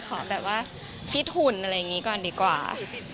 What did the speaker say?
ขอแบบว่าฟิตหุ่นอะไรอย่างนี้ก่อนดีกว่า